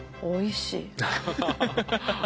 おいしい。